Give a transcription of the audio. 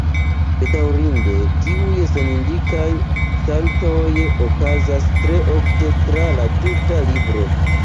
Bedaŭrinde, tiuj senindikaj saltoj okazas tre ofte tra la tuta libro.